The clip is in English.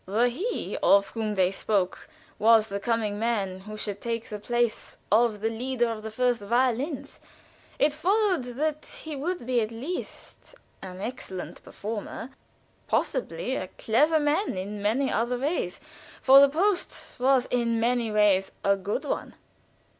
The "he" of whom they spoke was the coming man who should take the place of the leader of the first violins it followed that he would be at least an excellent performer possibly a clever man in many other ways, for the post was in many ways a good one.